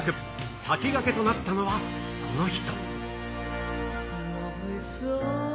先駆けとなったのはこの人。